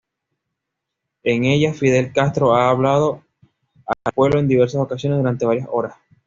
En ella Fidel Castro ha hablado al pueblo en diversas ocasiones durante varias horas.